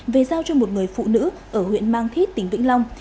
về giao cho một người phụ nữ ở huyện mang thít tỉnh vĩnh long